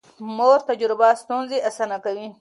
د مور تجربه ستونزې اسانه کوي.